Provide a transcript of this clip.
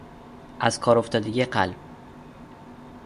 از کار افتادگی قلب